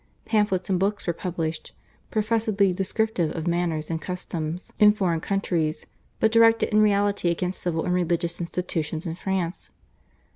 Pamphlets and books were published, professedly descriptive of manners and customs in foreign countries, but directed in reality against civil and religious institutions in France.